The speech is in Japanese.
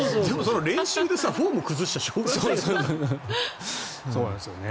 練習でフォームを崩しちゃしょうがないよね。